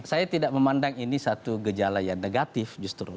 saya tidak memandang ini satu gejala yang negatif justru